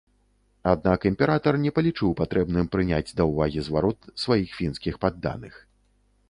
Аднак імператар не палічыў патрэбным прыняць да ўвагі зварот сваіх фінскіх падданых.